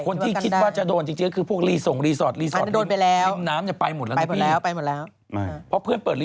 คนที่คิดว่าจะโดนจริงคือพวกส่องรีสอร์ทคุณ